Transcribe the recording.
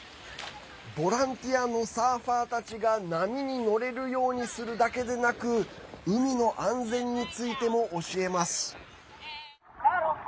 ボランティアのサーファーたちが波に乗れるようにするだけでなく海の安全についても教えます。